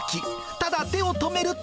ただ手を止めると。